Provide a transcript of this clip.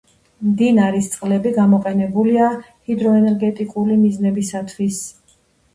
მდინარის წყლები გამოყენებულია ჰიდროენერგეტიკული მიზნებისათვის.